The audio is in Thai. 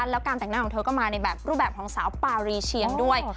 แล้วการแต่งหน้าของเธอก็มาในแบบรูปแบบของสาวปารีเชียงด้วย